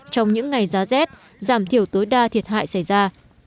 z giảm thiểu tối đa thiệt hại xảy ra